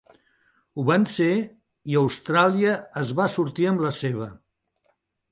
Ho van ser, i Austràlia es va sortir amb la seva.